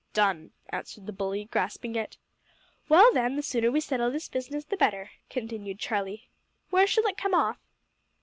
"Done!" answered the bully, grasping it. "Well, then, the sooner we settle this business the better," continued Charlie. "Where shall it come off?"